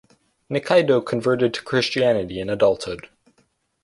Nikaido converted to Christianity in adulthood.